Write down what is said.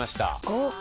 豪華。